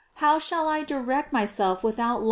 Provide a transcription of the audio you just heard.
How shall I direct myself with out light?"